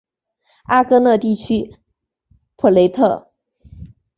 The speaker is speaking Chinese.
阿戈讷地区普雷特。